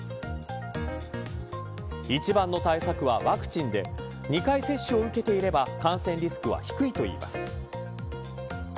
一番の対策はワクチンで２回接種を受けていれば感染リスクは低いといいます。